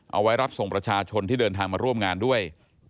เอาไว้รับส่งประชาชนที่เดินทางมาร่วมงานด้วย